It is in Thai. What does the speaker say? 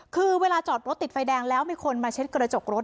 คือเวลาจอดรถติดไฟแดงแล้วมีคนมาเช็ดกระจกรถ